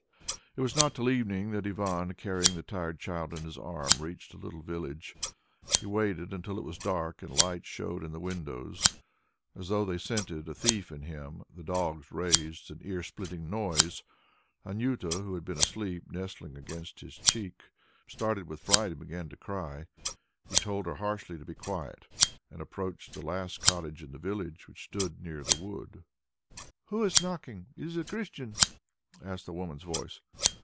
It was not till evening that Ivan, carrying the tired child on his arm, reached a little village. He waited till it was dark and lights showed in the windows. As though they scented a thief in him, the dogs raised an ear splitting noise. Anjuta, who had been asleep, nestling against his cheek, started with fright, and began to cry; he told her harshly to be quiet and approached the last cottage in the village which stood near the wood. "Who is knocking? Is it a Christian?" asked a woman's voice.